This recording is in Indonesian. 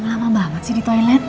lama banget sih di toilet